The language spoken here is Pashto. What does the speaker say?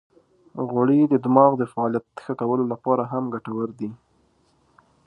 غوړې د دماغ د فعالیت ښه کولو لپاره هم ګټورې دي.